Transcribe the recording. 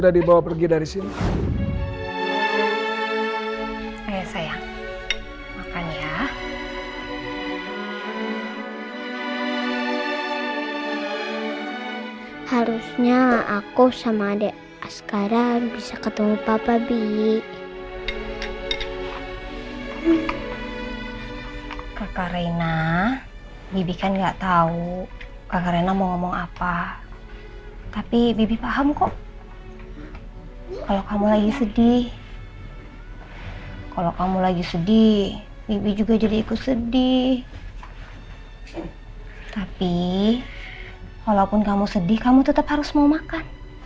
terima kasih ren